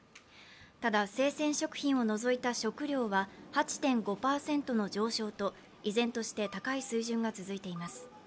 ただ、生鮮食品を除いた食料は８．５％の上昇と依然として高い水準が続いています。